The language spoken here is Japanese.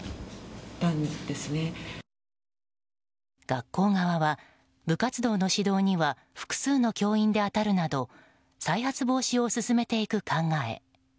学校側は、部活動の指導には複数の教員で当たるなど再発防止を進めていく考え。